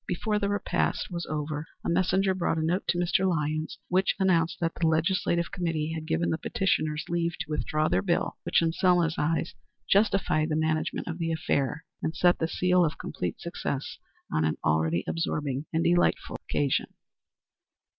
Before the repast was over a messenger brought a note to Mr. Lyons, which announced that the legislative committee had given the petitioners leave to withdraw their bill, which, in Selma's eyes, justified the management of the affair, and set the seal of complete success on an already absorbing and delightful occasion.